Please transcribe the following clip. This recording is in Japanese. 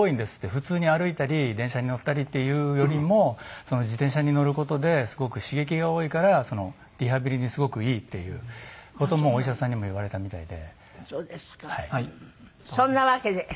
「普通に歩いたり電車に乗ったりっていうよりも自転車に乗る事ですごく刺激が多いからリハビリにすごくいい」っていう事もお医者さんにも言われたみたいで。